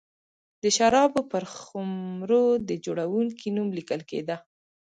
د شرابو پر خُمرو د جوړوونکي نوم لیکل کېده.